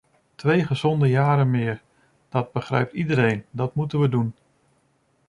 Twee gezonde jaren meer, dat begrijpt iedereen, dat moeten we doen.